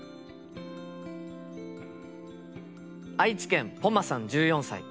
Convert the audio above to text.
愛知県ぽまさん１４歳。